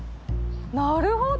なるほど！